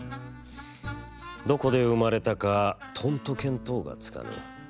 どこで生まれたかとんと見当がつかぬ。